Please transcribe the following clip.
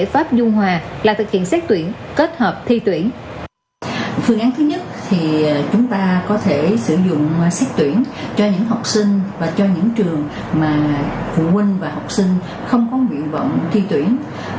phương án thứ nhất thì chúng ta có thể sử dụng xét tuyển cho những học sinh và cho những trường mà phụ huynh và học sinh không có nguyện vọng thi tuyển